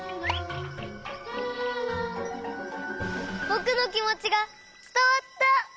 ぼくのきもちがつたわった！